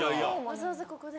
わざわざここで。